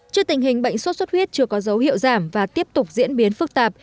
trước tình hình bệnh sốt xuất huyết chưa có dấu hiệu giảm và tiếp tục diễn biến phức tạp